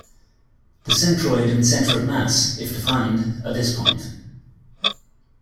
The centroid and center of mass, if defined, are this point.